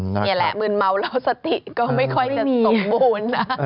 นี่แหละมืนเมาแล้วสติก็ไม่ค่อยจะสมบูรณ์นะ